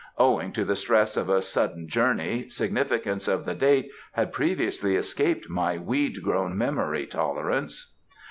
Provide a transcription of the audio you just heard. "Owing to the stress of a sudden journey significance of the date had previously escaped my weed grown memory, tolerance."